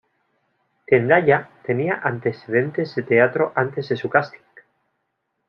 Zendaya tenía antecedentes de teatro antes de su casting.